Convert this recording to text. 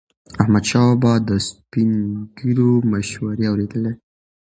احمدشاه بابا به د سپین ږیرو مشورې اورېدلي.